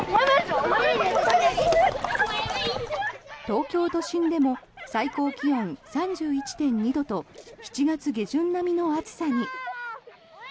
東京都心でも最高気温３１．２度と７月下旬並みの暑さに。